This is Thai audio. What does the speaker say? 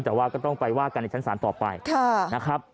แต่ว่าก็ต้องไปว่ากันในชั้นศาลต่อไปนะครับ